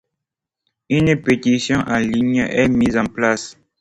Une pétition en ligne est mise en place.